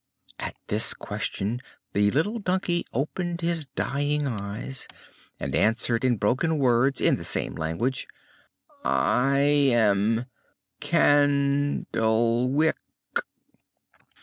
At this question the little donkey opened his dying eyes, and answered in broken words in the same language: "I am Can dle wick."